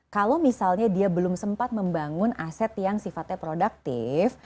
kalau misalnya dia belum sempat membangun aset yang sifatnya produktif